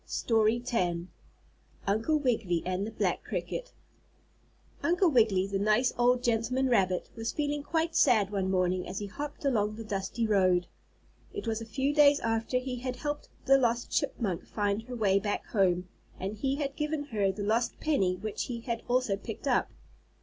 STORY X UNCLE WIGGILY AND THE BLACK CRICKET Uncle Wiggily, the nice old gentleman rabbit, was feeling quite sad one morning as he hopped along the dusty road. It was a few days after he had helped the lost chipmunk find her way back home, and he had given her the lost penny which he had also picked up.